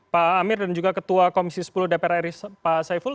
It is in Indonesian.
pak amir dan juga ketua komisi sepuluh dpr ri pak saiful